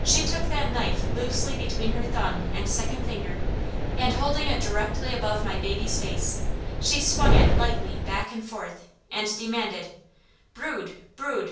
She took that knife loosely between her thumb and second finger and holding it directly above my baby's face, she swung it lightly back and forth and demanded: 'Brod! Brod!'